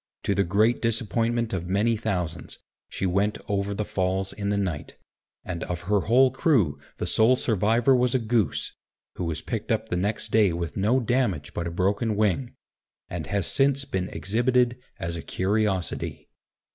To the great disappointment of many thousands, she went over the Falls in the night, and of her whole crew the sole survivor was a goose, who was picked up the next day with no damage but a broken wing, and has since been exhibited as a curiosity.